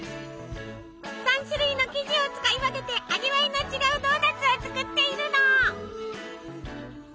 ３種類の生地を使い分けて味わいの違うドーナツを作っているの。